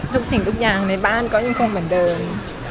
สิ่งทุกอย่างในบ้านก็ยังคงเหมือนเดิม